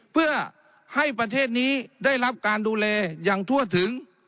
เพื่อให้ประเทศนี้ได้รับการดูแลอย่างทั่วถึง